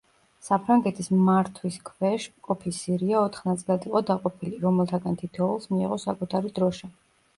საფრანგეთის მმართვის ქვეშ მყოფი სირია ოთხ ნაწილად იყო დაყოფილი, რომელთაგან თითოეულს მიეღო საკუთარი დროშა.